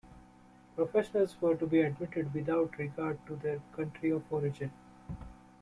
Professionals were to be admitted without regard to their country of origin.